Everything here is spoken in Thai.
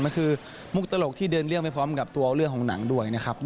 ก็คือมุกตลกที่เดินเรื่องไปพร้อมกับตัวเรื่องของหนังด้วยนะครับ